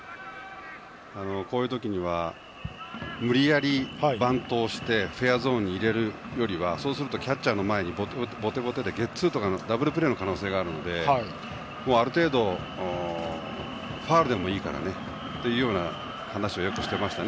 こういう時には無理やりバントをしてフェアゾーンに入れるよりはそうすると、キャッチャーの前にボテボテでゲッツーとかダブルプレーの可能性があるのである程度、ファウルでもいいからという話はよくしていました。